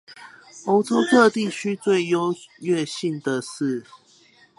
歐洲各地區中最具優越性的是